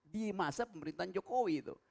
di masa pemerintahan jokowi itu